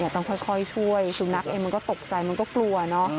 ต้องค่อยช่วยสุนัขเองมันก็ตกใจมันก็กลัวเนอะ